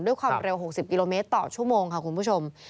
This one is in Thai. ด้วยความเร็ว๖๐กิโลเมตรต่อชั่วโมงค่ะคุณผู้ชม